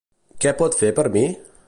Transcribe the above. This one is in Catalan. Què pot fer per mi?